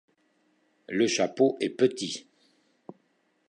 Le chapeau est petit.